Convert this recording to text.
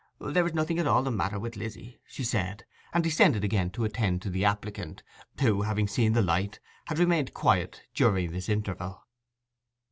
'There is nothing at all the matter with Lizzy,' she said; and descended again to attend to the applicant, who, having seen the light, had remained quiet during this interval.